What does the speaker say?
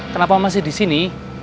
kenapa masih disini